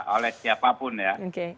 oleh siapapun ya